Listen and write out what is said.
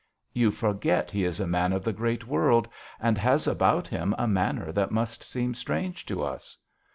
" You forget he is a man of the great world, and has about him a manner that must seem strange to us."